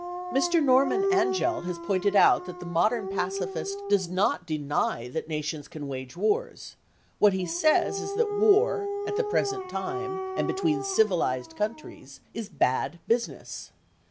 Mr. Norman Angell has pointed out that the modern pacifist does not deny that nations can wage wars; what he says is that war, at the present time, and between civilised countries, is "bad business."